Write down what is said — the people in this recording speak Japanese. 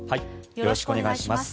よろしくお願いします。